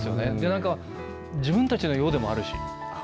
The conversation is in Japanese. なんか、自分たちのようでもあるし。